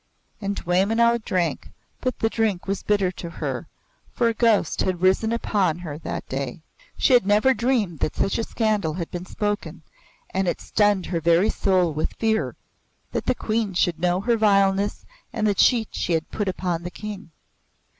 And Dwaymenau drank but the drink was bitter to her, for a ghost had risen upon her that day. She had never dreamed that such a scandal had been spoken, and it stunned her very soul with fear, that the Queen should know her vileness and the cheat she had put upon the King.